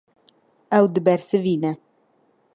Ew dibersivîne.